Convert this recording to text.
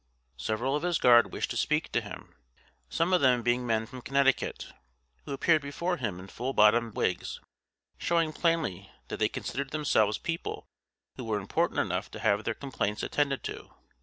Several of his guard wished to speak to him, some of them being men from Connecticut, who appeared before him in full bottomed wigs, showing plainly that they considered themselves people who were important enough to have their complaints attended to.